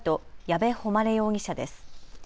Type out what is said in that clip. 矢部誉容疑者です。